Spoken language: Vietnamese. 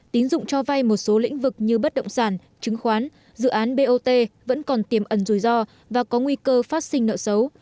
tín dụng cho vay một số lĩnh vực như bất động sản chứng khoán dự án bot vẫn còn tiềm ẩn rủi ro và có nguy cơ phát sinh nợ xấu